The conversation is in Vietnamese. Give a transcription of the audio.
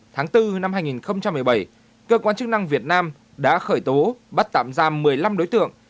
tháng bốn năm hai nghìn một mươi bảy cơ quan chức năng việt nam đã khởi tố bắt tạm giam một mươi năm đối tượng